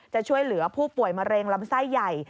จะช่วยเหลือผู้ป่วยมะเร็งลำไส้ใหญ่